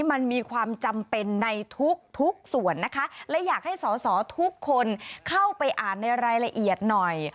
มันมีความจำเป็นในทุกทุกส่วนนะคะและอยากให้สอสอทุกคนเข้าไปอ่านในรายละเอียดหน่อย